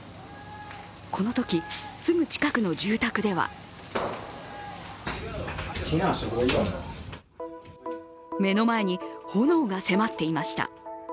このとき、すぐ近くの住宅では目の前に炎が迫っていました。